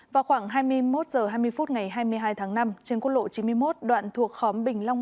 vào khoảng hai mươi một h hai mươi phút ngày hai mươi hai tháng năm trên quốc lộ chín mươi một đoạn thuộc khóm bình long